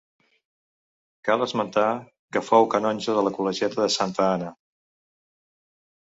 Cal esmentar que fou canonge de la Col·legiata de Santa Anna.